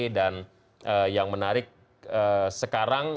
dan yang menarik sekarang